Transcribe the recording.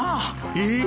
えっ？